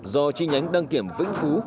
do chi nhánh đăng kiểm vĩnh phú